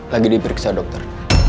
lagi diperiksa dokter